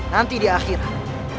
nanti di akhirat